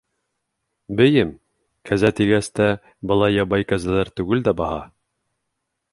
— Бейем, кәзә тигәс тә, былар ябай кәзәләр түгел дә баһа.